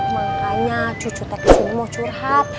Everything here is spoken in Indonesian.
makanya cucu terkesini mau curhat